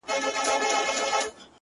o درته خبره كوم؛